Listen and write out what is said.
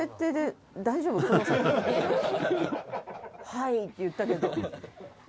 「“はい”って言ったけど」